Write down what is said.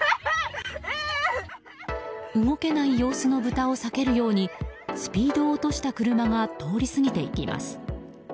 動けない様子の豚を避けるようにスピードを落とした車が通り過ぎていきます。